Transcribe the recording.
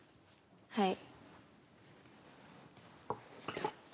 はい。